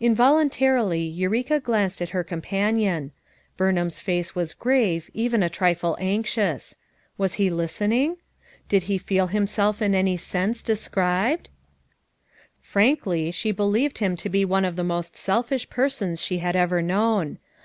Involuntarily Eureka glanced at her compan 220 FOUE MOTHERS AT CHAUTAUQUA ion, Burnhain's face was grave, even a trifle anxious; was he listening? Did he feel him self in any sense described? Frankly she be lieved him to be one of the most selfish persons she had ever known.